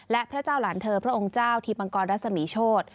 และพระเจ้าหลานเธอพระองค์เจ้าทีมังกรรัศมีโชธ